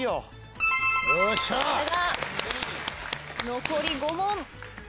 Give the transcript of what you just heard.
残り５問。